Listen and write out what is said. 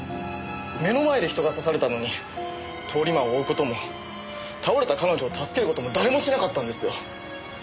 目の前で人が刺されたのに通り魔を追う事も倒れた彼女を助ける事も誰もしなかったんですよ。